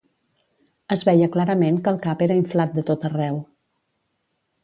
Es veia clarament que el cap era inflat de tot arreu.